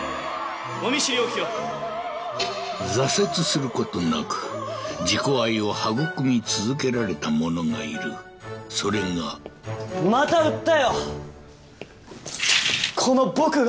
お見知りおきを挫折することなく自己愛を育み続けられた者がいるそれがまた売ったよこの僕が！